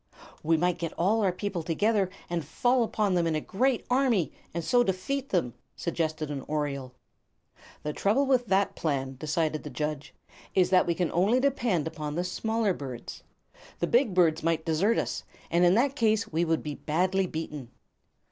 "We might get all our people together and fall upon them in a great army, and so defeat them," suggested an oriole. "The trouble with that plan," decided the judge, "is that we can only depend upon the smaller birds. The big birds might desert us, and in that case we would be badly beaten."